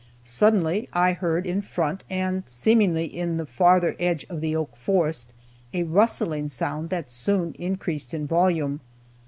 Suddenly I heard in front, and seemingly in the farther edge of the oak forest, a rustling sound that soon increased in volume.